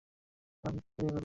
হ্যাঁ, আমি তোকে বিয়ে করব।